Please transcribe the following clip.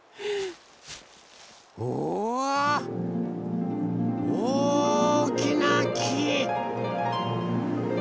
うわおおきなき！